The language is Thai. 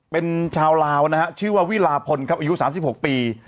เป็นชาวลาวนะฮะชื่อว่าวิลาพลครับอายุ๓๖ปี